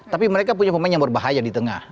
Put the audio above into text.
tapi mereka punya pemain yang berbahaya di tengah